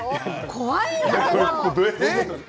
怖いんだけど。